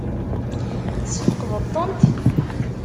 Tesfeqdeḍ-tent?